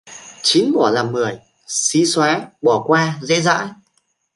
Chín bỏ làm mười: xí xóa, bỏ qua, dễ dãi